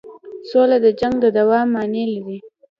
سوله د جنګ د دوام معنی لري.